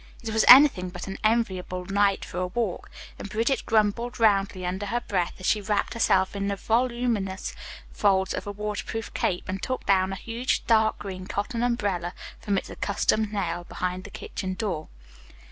It was anything but an enviable night for a walk, and Bridget grumbled roundly under her breath as she wrapped herself in the voluminous folds of a water proof cape and took down a huge, dark green cotton umbrella from its accustomed nail behind the kitchen door.